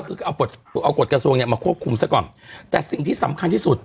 คือก็เอากฎกระทรวงเนี่ยมาควบคุมซะก่อนแต่สิ่งที่สำคัญที่สุด